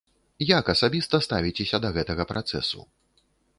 Як асабіста ставіцеся да гэтага працэсу?